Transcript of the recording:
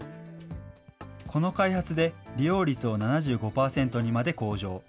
この開発で利用率を７５％にまで向上。